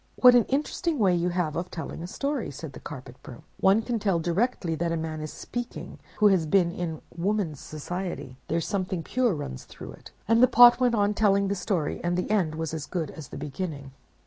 "'What an interesting way you have of telling a story!' said the Carpet Broom. 'One can tell directly that a man is speaking who has been in woman's society. There's something pure runs through it.' "And the Pot went on telling the story, and the end was as good as the beginning.